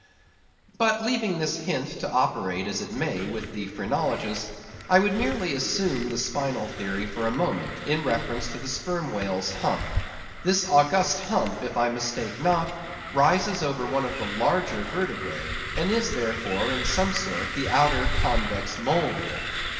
But leaving this hint to operate as it may with the phrenologists, I would merely assume the spinal theory for a moment, in reference to the Sperm Whale's hump. This august hump, if I mistake not, rises over one of the larger vertebræ, and is, therefore, in some sort, the outer convex mould of it.